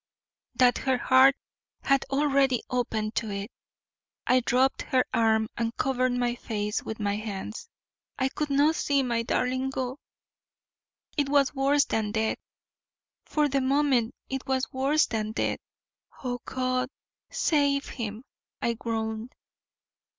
that her heart had already opened to it. I dropped her arm and covered my face with my hands. I could not see my darling go; it was worse than death for the moment it was worse than death. "O God, save him!" I groaned.